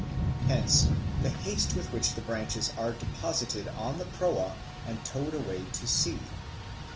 Hence the haste with which the branches are deposited in the proa and towed away to sea.